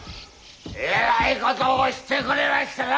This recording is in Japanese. えらいことをしてくれましたな！